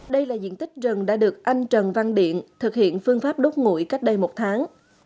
đây là diện tích rừng đã được anh trần văn điện thực hiện phương pháp đốt ngụy cách đây một tháng